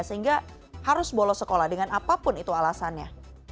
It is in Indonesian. sehingga harus bolos sekolah dengan apapun itu alasannya